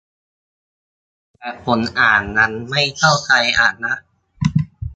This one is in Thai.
แต่ผมอ่านยังไม่เข้าใจอ่ะนะ